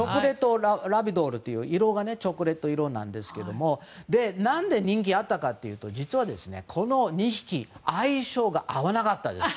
色がチョコレート色なんですけどなんで人気があったかというと実は、この２匹相性が合わなかったんです。